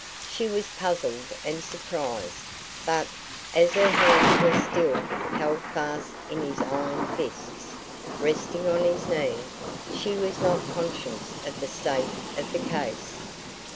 She was puzzled and surprised, but, as her hands were still held fast in his iron fists, resting on his knee, she was not conscious of the state of the case.